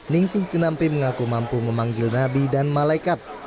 ning si tinampi mengaku mampu memanggil nabi dan malaikat